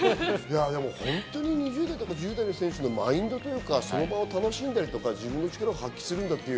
本当に２０代とか１０代の選手のマインド、その場を楽しんだり、自分の力を発揮するという。